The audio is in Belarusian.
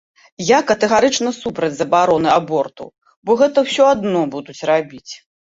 Я катэгарычна супраць забароны абортаў, бо гэта ўсё адно будуць рабіць.